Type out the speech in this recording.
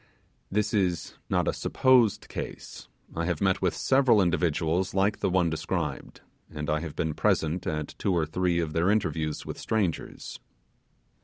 This is not a supposed case; I have met with several individuals like the one described, and I have been present at two or three of their interviews with strangers.